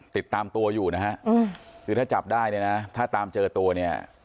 ติดตามตัวอยู่นะฮะคือถ้าจับได้เนี่ยนะถ้าตามเจอตัวเนี่ย